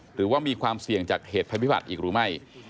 หรือว่ามีความเสี่ยงจากเหตุภัยพิบัติอีกหรือไม่